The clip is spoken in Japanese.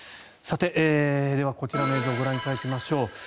では、こちらの映像をご覧いただきましょう。